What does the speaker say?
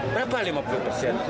berapa lima puluh persen